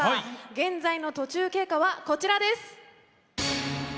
現在の途中経過はこちらです！